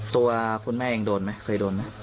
ตัวคุณแม่เองโดนไหมเคยโดนไหม